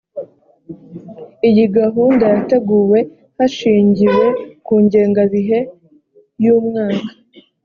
iyi gahunda yateguwe hashingiwe ku ngengabihe y umwaka